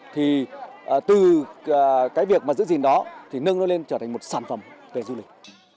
thì từ cái việc mà giữ gìn đó thì nâng nó lên trở thành một sản phẩm về du lịch